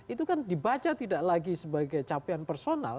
itu kan dibaca tidak lagi sebagai capaian personal